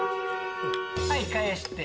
はい返して。